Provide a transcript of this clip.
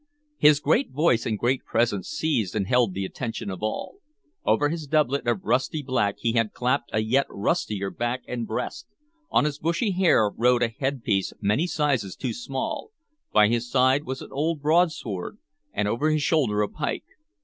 His great voice and great presence seized and held the attention of all. Over his doublet of rusty black he had clapped a yet rustier back and breast; on his bushy hair rode a headpiece many sizes too small; by his side was an old broadsword, and over his shoulder a pike.